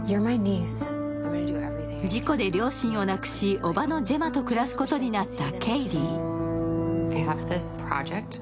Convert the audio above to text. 事故で両親を亡くし、おばのジェマと暮らすことになったケイディ。